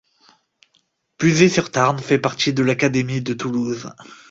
Buzet-sur-Tarn fait partie de l'académie de Toulouse.